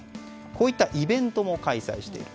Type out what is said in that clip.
こういったイベントも開催している。